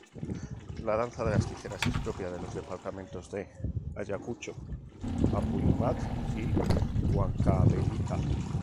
La danza de tijeras es propia de los departamentos de Ayacucho, Apurímac y Huancavelica.